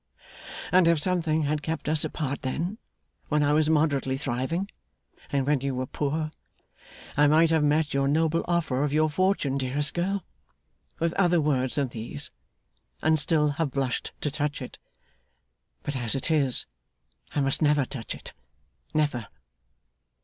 and if something had kept us apart then, when I was moderately thriving, and when you were poor; I might have met your noble offer of your fortune, dearest girl, with other words than these, and still have blushed to touch it. But, as it is, I must never touch it, never!